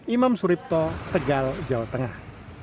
imam suripto tegal jawa tengah